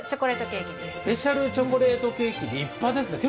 スペシャルチョコレートケーキです。